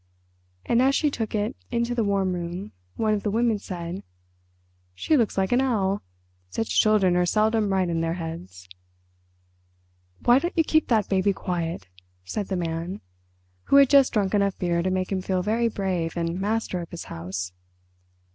And as she took it into the warm room one of the women said, "She looks like an owl. Such children are seldom right in their heads." "Why don't you keep that baby quiet?" said the Man, who had just drunk enough beer to make him feel very brave and master of his house.